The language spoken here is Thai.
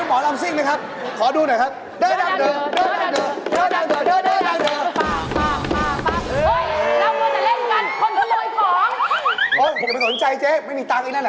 โอ้ยผมไม่สนใจเจ๊ไม่มีตังค์อีกแล้วละ